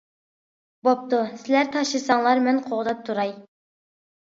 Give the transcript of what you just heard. بوپتۇ سىزلەر تاشلىساڭلار مەن قوغداپ تۇراي!